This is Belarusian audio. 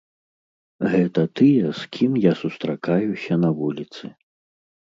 Гэта тыя, з кім я сустракаюся на вуліцы.